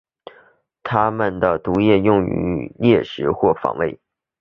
它们的毒液用于猎食或防卫。